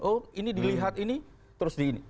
oh ini dilihat ini terus di ini